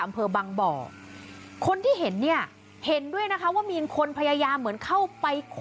อำเภอบางบ่อคนที่เห็นเนี่ยเห็นด้วยนะคะว่ามีคนพยายามเหมือนเข้าไป